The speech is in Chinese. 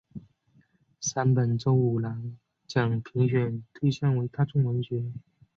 山本周五郎奖评选对象为大众文学。